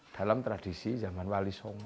dalam tradisi zaman wali songo